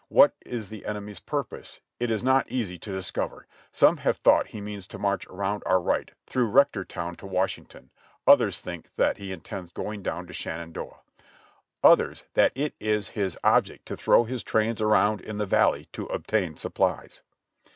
What is the enemy's purpose, it is not easy to discover. Some have thought he means to march around our right through Rector town to Washington ; others think that he intends going down the Shenandoah ; others that it is his object to throw his trains around in the Valley to obtain supplies.